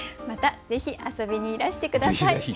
またぜひ遊びにいらして下さい。